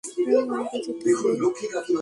রাহুল আমাকে যেতে হবে।